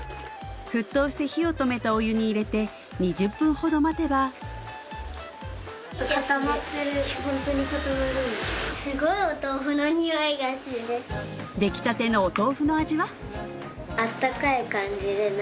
沸騰して火を止めたお湯に入れて２０分ほど待てば出来たてのお豆腐の味は？